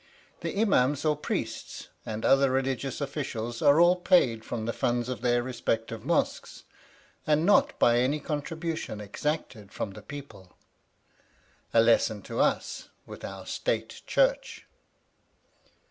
The imams or priests and other religious officials are all paid from the funds of their respective mosques, and not by any contributions exacted from the people: a lesson to us with our State Church.